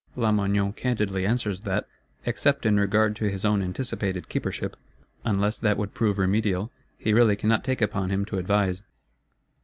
Lamoignon candidly answers that, except in regard to his own anticipated Keepership, unless that would prove remedial, he really cannot take upon him to advise.